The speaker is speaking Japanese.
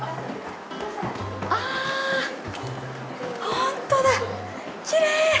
本当だきれい。